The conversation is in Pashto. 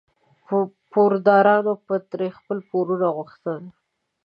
پوردارانو به ترې خپل پورونه غوښتل.